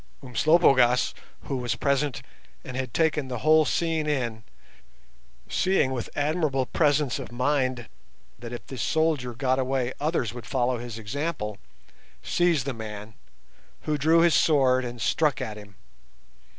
Umslopogaas, who was present and had taken the whole scene in, seeing with admirable presence of mind that if this soldier got away others would follow his example, seized the man, who drew his sword and struck at him.